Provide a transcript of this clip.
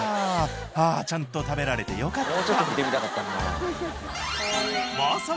ああちゃんと食べられてよかった！